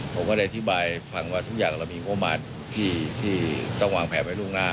ผมก็ได้ที่บ่ายฟังว่าทุกอย่างเรามีโมมัติที่ต้องวางแผนไว้ลูกหน้า